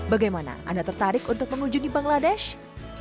bagaimana anda tertarik untuk mengunjungi bangladesh